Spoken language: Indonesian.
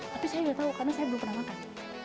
tapi saya nggak tahu karena saya belum pernah makan